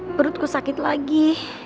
perutku sakit lagi